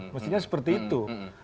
mestinya seperti itu